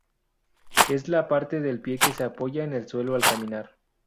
Es la parte del pie que se apoya en el suelo al caminar.